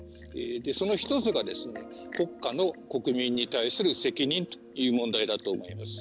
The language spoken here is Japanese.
その１つが国家の国民に対する責任という問題だと思います。